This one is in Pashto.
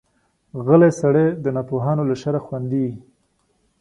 غلی سړی، د ناپوهانو له شره خوندي وي.